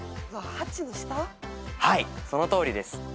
はいそのとおりです。